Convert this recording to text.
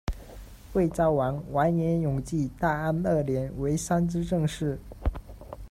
卫绍王完颜永济大安二年为参知政事。